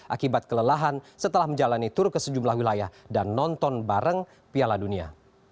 akibat kelelahan setelah menjalani tur ke sejumlah wilayah dan nonton bareng piala dunia